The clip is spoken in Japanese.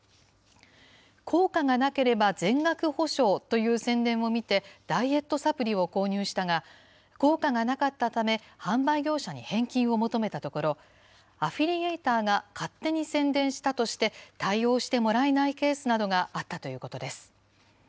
効果がなければ全額保証という宣伝を見て、ダイエットサプリを購入したが、効果がなかったため、販売業者に返金を求めたところ、アフィリエイターが勝手に宣伝したとして、対応してもらえないケースなどがあったということです。